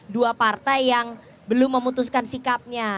dua partai yang belum memutuskan sikapnya